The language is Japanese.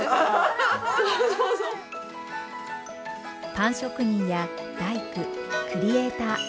パン職人や大工クリエイター。